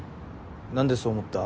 何でそう思った？